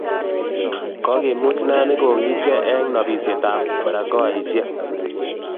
Kikomuch neranik kogilkei eng nobisietab barakoaisiek